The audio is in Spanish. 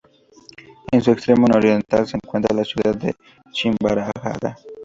En su extremo nororiental se encuentra la ciudad de Shimabara.